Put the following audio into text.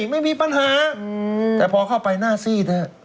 ไม่มีปัญหาแต่พอเข้าไปหน้าซีดนะฮะ